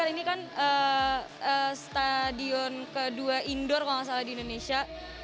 ini kan stadion kedua indoor kalau nggak salah di indonesia